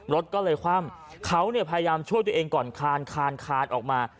รถก็เลยคว่ำเขาพยายามช่วยตัวเองก่อนคานคานคานออกมา